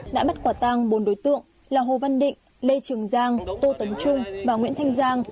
đã bắt quả tang bốn đối tượng là hồ văn định lê trường giang tô tấn trung và nguyễn thanh giang